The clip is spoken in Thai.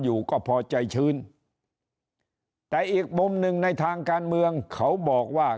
อยู่ก็พอใจชื้นแต่อีกมุมหนึ่งในทางการเมืองเขาบอกว่า